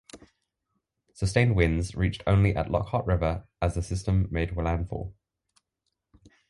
Sustained winds reached only at Lockhart River as the system made landfall.